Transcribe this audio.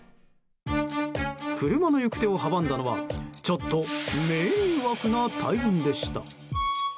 車の行く手を阻んだのはちょっと迷惑な大群でした。